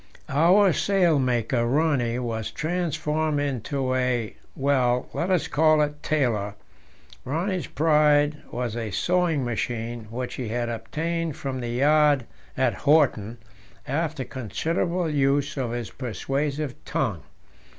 Our sailmaker, Rönne, was transformed into a well, let us call it tailor. Rönne's pride was a sewing machine, which he had obtained from the yard at Horten after considerable use of his persuasive tongue.